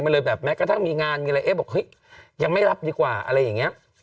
กระทั่งมีงานมีอะไรเอ๊ะบอกเฮ้ยยังไม่รับดีกว่าอะไรอย่างนี้